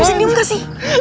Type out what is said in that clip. jadi gak perlu pake bandana